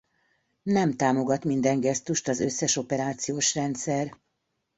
Nem támogat minden gesztust az összes operációs rendszer.